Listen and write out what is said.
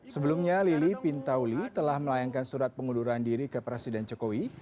sebelumnya lili pintauli telah melayangkan surat pengunduran diri ke presiden jokowi